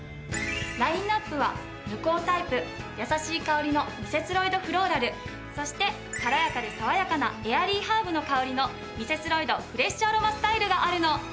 ラインアップは無香タイプやさしい香りのミセスロイドフローラルそして軽やかでさわやかなエアリーハーブの香りのミセスロイドフレッシュアロマスタイルがあるの。